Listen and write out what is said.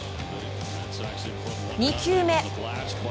２球目。